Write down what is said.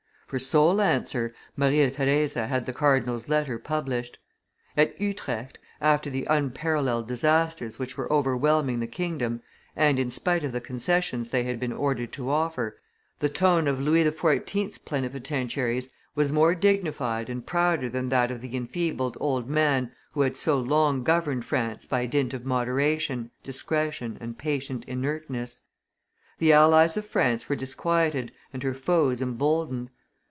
For sole answer, Maria Theresa had the cardinal's letter published. At Utrecht, after the unparalleled disasters which were overwhelming the kingdom, and in spite of the concessions they had been ordered to offer, the tone of Louis XIV.'s plenipotentiaries was more dignified and prouder than that of the enfeebled old man who had so long governed France by dint of moderation, discretion, and patient inertness. The allies of France were disquieted and her foes emboldened.